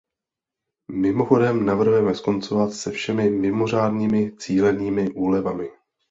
Mimochodem, navrhujeme skoncovat se všemi mimořádnými cílenými úlevami.